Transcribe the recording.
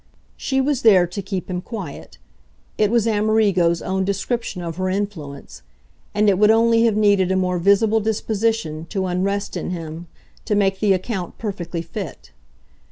She was there to keep him quiet it was Amerigo's own description of her influence; and it would only have needed a more visible disposition to unrest in him to make the account perfectly fit.